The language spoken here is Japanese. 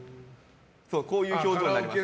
こういう表情になります。